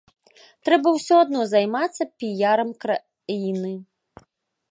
Трэба ўсё адно займацца піярам краіны.